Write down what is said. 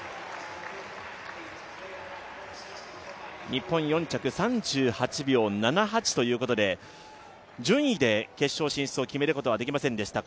日本４着３８秒７８ということで順位で決勝進出を決めることはできませんでした。